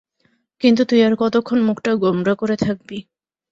কিন্তু তুই আর কতক্ষণ মুখটা গোমড়া করে থাকবি?